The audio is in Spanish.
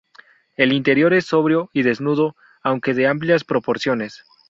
El interior es sobrio y desnudo, aunque de amplias proporciones.